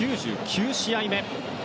９９試合目。